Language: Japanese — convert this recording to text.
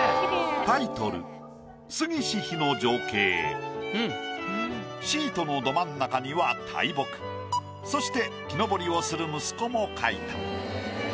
タイトルシートのど真ん中には大木そして木登りをする息子も描いた。